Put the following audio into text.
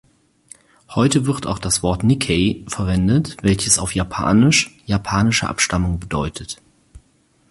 Heute wird auch das Wort "Nikkei" verwendet, welches auf Japanisch japanische Abstammung bedeutet.